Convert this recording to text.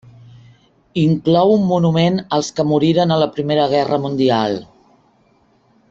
Inclou un monument als que moriren a la Primera Guerra Mundial.